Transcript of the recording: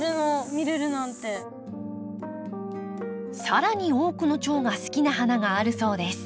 更に多くのチョウが好きな花があるそうです。